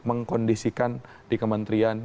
mengkondisikan di kementerian